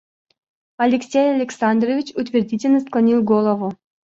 Алексей Александрович утвердительно склонил голову.